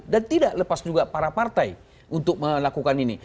dan tidak lepas juga para partai untuk melakukan ini